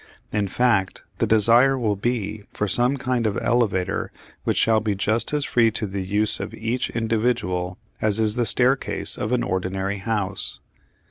In fact the desire will be for some kind of elevator which shall be just as free to the use of each individual as is the staircase of an ordinary house.